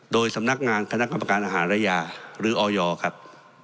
โดยสำนักงานคณะกรรมการอาหารระยาหรือออยครับ